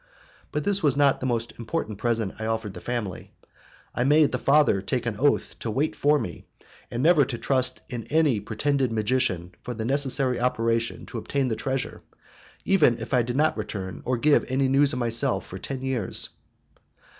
But this was not the most important present I offered the family. I made the father take an oath to wait for me, and never to trust in any pretended magician for the necessary operation to obtain the treasure, even if I did not return or give any news of myself for ten years.